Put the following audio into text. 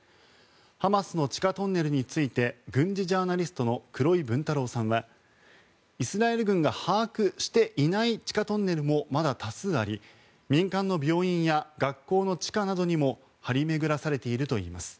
ハマスの地下トンネルについて軍事ジャーナリストの黒井文太郎さんはイスラエル軍が把握していない地下トンネルもまだ多数あり民間の病院や学校の地下などにも張り巡らされているといいます。